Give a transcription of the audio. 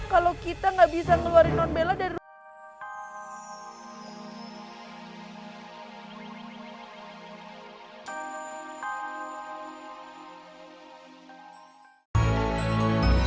kalau kita nggak bisa ngeluarin non bella dari rumah